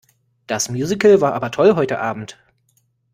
Das Musical war aber toll heute Abend.